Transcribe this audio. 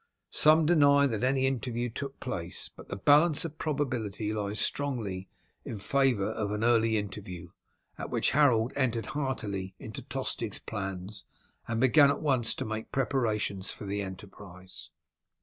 Some deny that any interview took place, but the balance of probability lies strongly in favour of an early interview, at which Harold entered heartily into Tostig's plans, and began at once to make preparations for the enterprise.